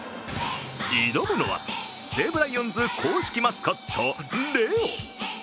挑むのは、西武ライオンズ公式マスコット、レオ。